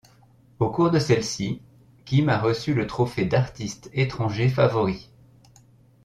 Au cours de celle-ci, Kim a reçu le trophée d'Artiste étranger favori.